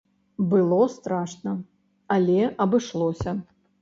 Было страшна, але абышлося.